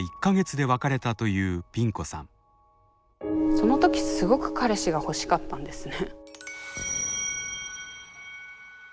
その時すごく彼氏が欲しかったんですね。